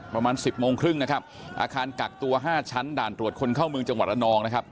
ประมาณสิบโมงครึ่งนะครับอาคารกักตัวห้าชั้นด่านตรวจคนเข้าเมืองจังหวัดละนองนะครับ